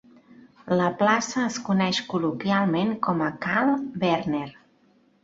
La plaça es coneix col·loquialment com a "Carl Berner".